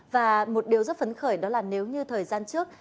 và một điều rất phấn khởi đó là nếu như thời gian trước